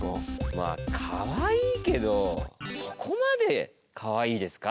まあかわいいけどそこまでかわいいですか？